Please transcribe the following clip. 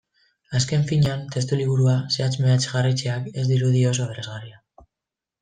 Azken finean, testuliburua zehatz-mehatz jarraitzeak ez dirudi oso aberasgarria.